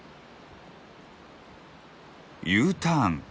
Ｕターン。